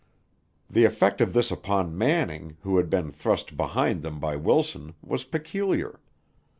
The effect of this upon Manning, who had been thrust behind them by Wilson, was peculiar.